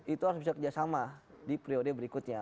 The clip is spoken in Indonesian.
itu harus bisa kerjasama di periode berikutnya